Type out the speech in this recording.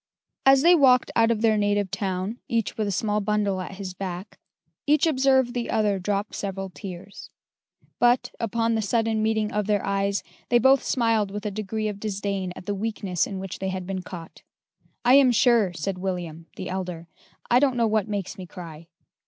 As they walked out of their native town, each with a small bundle at his back, each observed the other drop several tears: but, upon the sudden meeting of their eyes, they both smiled with a degree of disdain at the weakness in which they had been caught. "I am sure," said William (the elder), "I don't know what makes me cry."